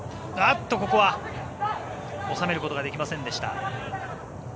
ここは収めることができませんでした。